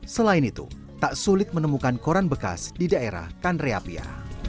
selain itu tak sulit menemukan koran bekas di daerah kanreapia